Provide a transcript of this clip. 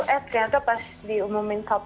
eh ternyata pas diumumin top tiga puluh